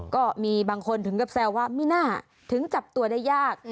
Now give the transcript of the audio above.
ก็มีบางคนถึงกับแซวว่าไม่น่าถึงจับตัวได้ยาก